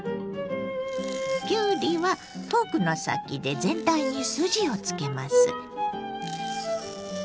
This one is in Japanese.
きゅうりはフォークの先で全体に筋をつけます。